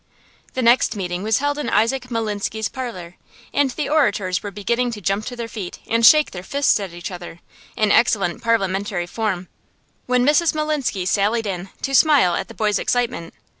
The next meeting was held in Isaac Maslinsky's parlor, and the orators were beginning to jump to their feet and shake their fists at each other, in excellent parliamentary form, when Mrs. Maslinsky sallied in, to smile at the boys' excitement.